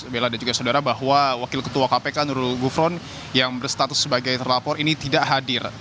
bella dan juga saudara bahwa wakil ketua kpk nurul gufron yang berstatus sebagai terlapor ini tidak hadir